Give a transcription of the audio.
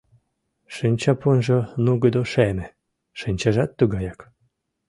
Шинчапунжо нугыдо шеме, шинчажат тугаяк.